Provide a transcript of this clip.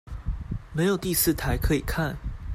沒有第四台可以看